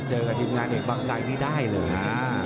เจอกับทีมงานเอกบางไซค์นี่ได้เลยนะ